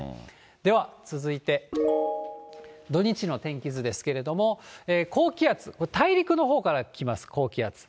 では続いて土日の天気図ですけれども、高気圧、大陸のほうから来ます、高気圧。